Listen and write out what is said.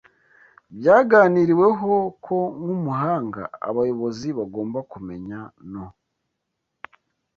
Byaganiriweho ko nk'umuhanga abayobozi bagomba kumenya no